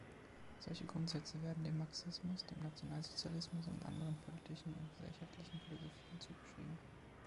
Solche Grundsätze werden dem Marxismus, dem Nationalsozialismus und anderen politischen und gesellschaftlichen Philosophien zugeschrieben.